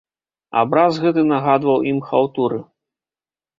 Абраз гэты нагадваў ім хаўтуры.